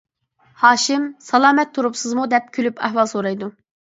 ھاشىم:-سالامەت تۇرۇپسىزمۇ دەپ كۈلۈپ ئەھۋال سورايدۇ.